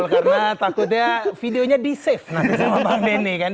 karena takutnya videonya di save nanti sama bang denny kan